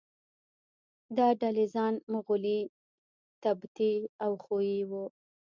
دا ډلې خان، مغولي، تبتي او خویي وو.